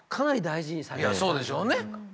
そうでしょうね。